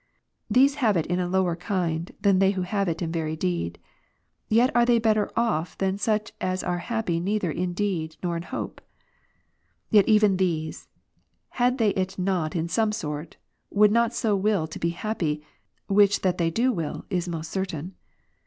These have it in a lower kind, than they who have it in very deed ; yet are they better off than such as are happy neither in deed, nor in hope. Yet even these, had they it not in some sort, would not so will to be happy, which that they do will, is most certain.